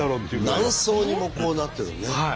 何層にもなってるのね。